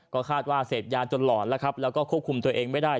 ก็คาดว่าเสพยาจนหลอนแล้วครับแล้วก็ควบคุมตัวเองไม่ได้